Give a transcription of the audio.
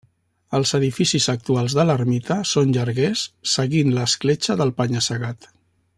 Els edificis actuals de l'ermita són llarguers, seguint l'escletxa del penya-segat.